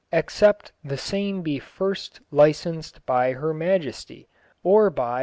except the same be first licenced by her maiestie ... or by .